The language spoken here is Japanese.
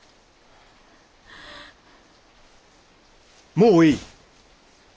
もういい。